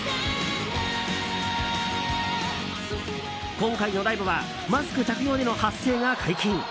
今回のライブはマスク着用での発声が解禁。